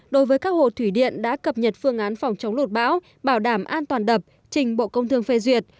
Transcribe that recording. đối với các hồ thủy điện đã cập nhật phương án phòng chống lụt bão bảo đảm an toàn đập trình bộ công thương phê duyệt